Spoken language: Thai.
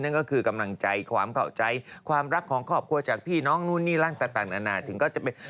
นั่นก็คือกำลังใจความเข้าใจความรักของครอบครัวจากพี่น้องนู่นนี่ร่างต่างนานาถึงก็จะเป็น